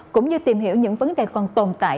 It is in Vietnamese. cũng như tìm hiểu những vấn đề còn tồn tại